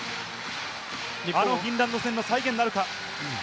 あのフィンランド戦の再現なるか。